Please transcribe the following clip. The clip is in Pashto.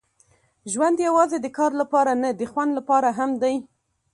ژوند یوازې د کار لپاره نه، د خوند لپاره هم دی.